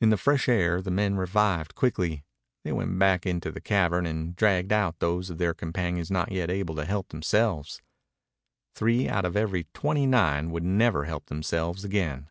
In the fresh air the men revived quickly. They went back into the cavern and dragged out those of their companions not yet able to help themselves. Three out of the twenty nine would never help themselves again.